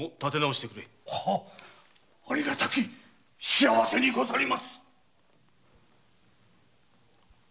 ありがたき幸せにござりまする。